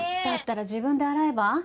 だったら自分で洗えば？